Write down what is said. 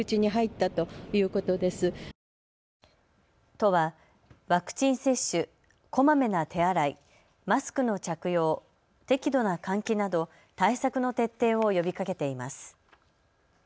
都はワクチン接種、こまめな手洗い、マスクの着用、適度な換気など対策の徹底を呼びかけています。